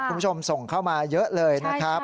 คุณผู้ชมส่งเข้ามาเยอะเลยนะครับ